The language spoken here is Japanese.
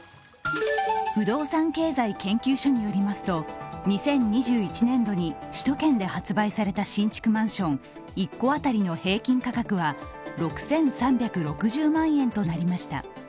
不動産経済研究所によりますと２０２１年度に首都圏で発売された新築マンション１戸当たりの平均価格は６３６０万円となりました。